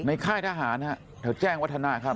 ในค่ายทหารครับเธอแจ้งวัฒนาครับ